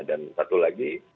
dan satu lagi